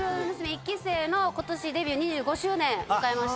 １期生のことしデビュー２５周年迎えました。